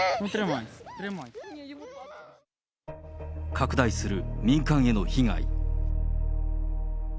拡大する民間への被害。